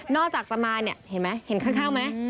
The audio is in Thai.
อกจากจะมาเนี่ยเห็นไหมเห็นข้างไหม